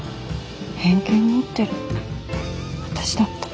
偏見持ってるの私だった。